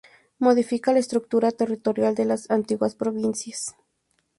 Modifica la estructura territorial de las antiguas provincias.